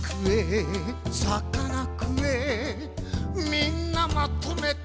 「みんなまとめて魚食え」